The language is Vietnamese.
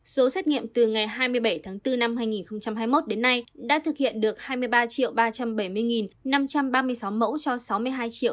số xét nghiệm từ ngày hai mươi bảy tháng bốn năm hai nghìn hai mươi một đến nay đã thực hiện được hai mươi ba ba trăm bảy mươi năm trăm ba mươi sáu mẫu cho sáu mươi hai chín trăm bảy mươi sáu tám trăm ba mươi một lượt người